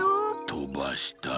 とばしたい。